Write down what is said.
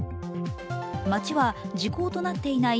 町は時効となっていない